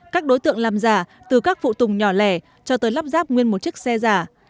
các đối tượng làm giả từ các phụ tùng nhỏ lẻ cho tới lắp ráp nguyên một chiếc xe giả